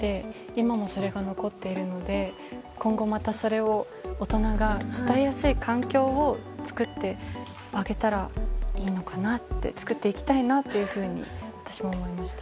今もそれが残っているので今後、またそれを大人が伝えやすい環境を作ってあげたらいいのかなって作っていきたいなって私も思いました。